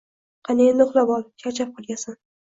Qani endi uxlab ol, charchab qolasan